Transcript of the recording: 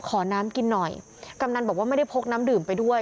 ขอน้ำกินหน่อยกำนันบอกว่าไม่ได้พกน้ำดื่มไปด้วย